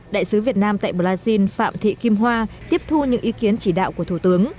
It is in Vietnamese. đại sứ việt nam tại brazil phạm thị kim hoa tiếp thu những ý kiến chỉ đạo của thủ tướng